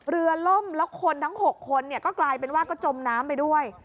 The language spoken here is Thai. เรือลมแล้วคนทั้ง๖คนก็จมน้ำไปด้วย